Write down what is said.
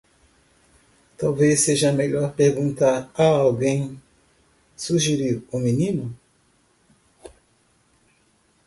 "Talvez seja melhor perguntar a alguém?" sugeriu o menino.